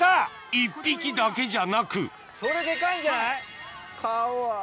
１匹だけじゃなくそれデカいんじゃない？